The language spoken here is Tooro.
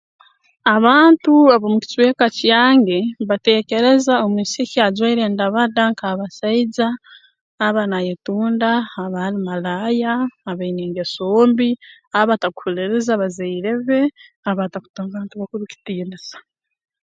Abantu ab'omukicweka kyange mbateekereza omwisiki ajwaire endabada nk'abasaija aba naayetunda aba ali malaaya aba aine angeso mbi aba atakuhuliiriza bazaire be aba atakutamu bantu bakuru kitiinisa